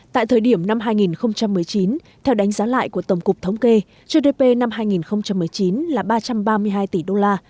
tại thời điểm năm hai nghìn một mươi chín theo đánh giá lại của tổng cục thống kê gdp năm hai nghìn một mươi chín là ba trăm ba mươi hai tỷ đô la